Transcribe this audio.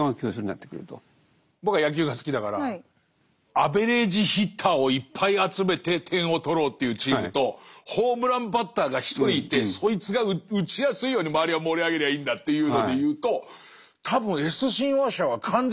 アベレージヒッターをいっぱい集めて点を取ろうというチームとホームランバッターが１人いてそいつが打ちやすいように周りは盛り上げりゃいいんだっていうのでいうと多分Ｓ親和者は完全にホームランバッターなんだよね。